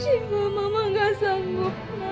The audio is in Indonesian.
syifat mama gak sanggup